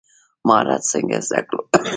مهارت څنګه زده کړو؟